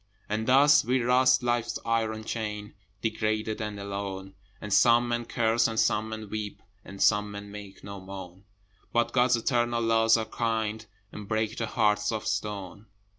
And thus we rust Life's iron chain Degraded and alone: And some men curse, and some men weep, And some men make no moan: But God's eternal Laws are kind And break the heart of stone.